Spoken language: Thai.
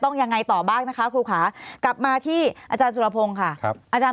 ทานายก็บอกว่าสามีกับลูกนะเขา